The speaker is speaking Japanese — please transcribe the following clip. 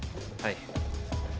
はい。